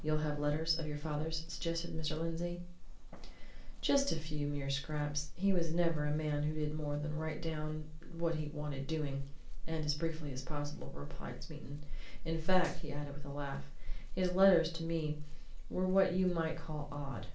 "You'll have letters of your father's?" suggested Mr. Lindsey. "Just a few mere scraps he was never a man who did more than write down what he wanted doing, and as briefly as possible," replied Smeaton. "In fact," he added, with a laugh, "his letters to me were what you might call odd.